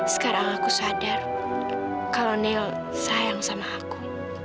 sekarang aku sadar kalau neil sayang sama aku